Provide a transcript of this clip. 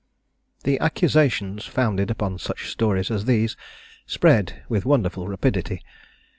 The accusations, founded upon such stories as these, spread, with wonderful rapidity.